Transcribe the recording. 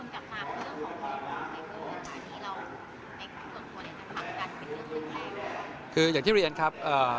อเรนนี่คืออย่างที่เรียนครับ